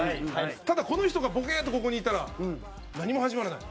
ただ、この人がボケーッとここにいたら何も始まらない。